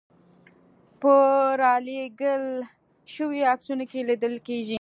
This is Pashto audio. په رالېږل شویو عکسونو کې لیدل کېږي.